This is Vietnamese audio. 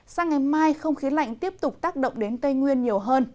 sang ngày mai không khí lạnh tiếp tục tác động đến tây nguyên nhiều hơn